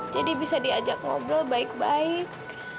jadi bisa diajak ngobrol baik baik